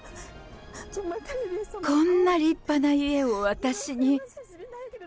こんな立派な家を私に。